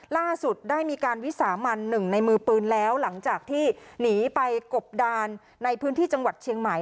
ล่าสุดได้มีการวิสามันหนึ่งในมือปืนแล้วหลังจากที่หนีไปกบดานในพื้นที่จังหวัดเชียงใหม่